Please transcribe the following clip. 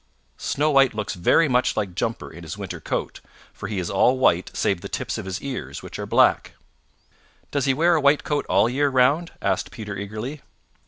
Snow White looks very much like Jumper in his winter coat, for he is all white save the tips of his ears, which are black." "Does he wear a white coat all year round?" asked Peter eagerly.